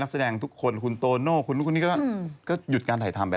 คุณลูกคุณนี้ก็หยุดการถ่ายทำไปแล้ว